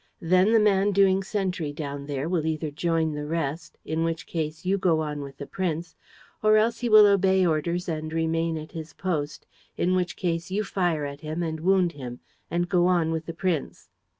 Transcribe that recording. Then the man doing sentry down there will either join the rest, in which case you go on with the prince, or else he will obey orders and remain at his post, in which case you fire at him and wound him ... and go on with the prince."